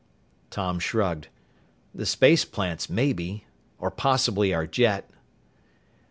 Tom shrugged. "The space plants maybe or possibly our jet."